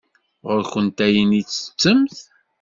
Ɣur-kent ayen i ttettemt.